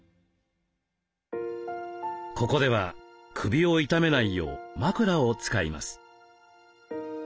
ここでは首を痛めないよう枕を使います。